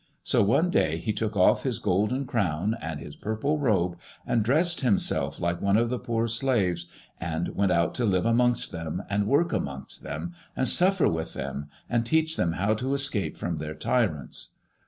So one day he took off his golden crown, and his i MADEMOISELLE IXE. 97 purple robe, and dressed himself like one of the poor slaves, and went out to live amongst them, and work amongst them, and suffer with them, and teach them how to escape from their tyrants.